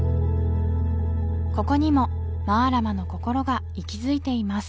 ここにもマラマのこころが息づいています